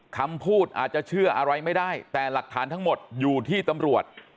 คำพูดอาจจะเชื่ออะไรไม่ได้แต่หลักฐานทั้งหมดอยู่ที่ตำรวจ